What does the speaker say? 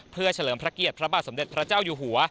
เพื่อเฉลิมพระเกียรติพระบาทสมเด็จพระเจ้าอยู่หัว